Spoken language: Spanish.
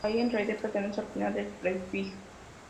La "i" en realidad pertenece al final del prefijo.